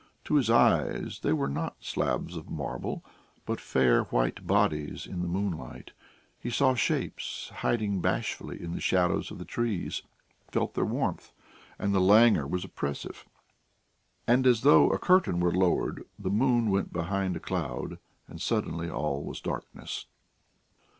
To his eyes they were not slabs of marble, but fair white bodies in the moonlight; he saw shapes hiding bashfully in the shadows of the trees, felt their warmth, and the languor was oppressive.... And as though a curtain were lowered, the moon went behind a cloud, and suddenly all was darkness.